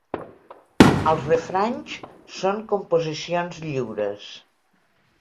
Els refranys són composicions lliures.